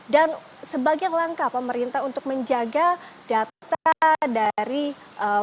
dan sebagai langkah pemerintah untuk menjaga data dari pemerintah